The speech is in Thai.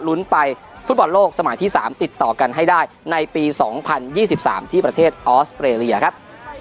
ลุ้นไปฟุตบอลโลกสมัยที่๓ติดต่อกันให้ได้ในปี๒๐๒๓ที่ประเทศออสเตรเลียครับ